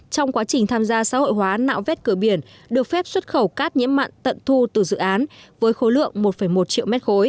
trong quá trình tham gia xã hội hóa nạo vét cửa biển được phép xuất khẩu cát nhiễm mặn tận thu từ dự án với khối lượng một một triệu m ba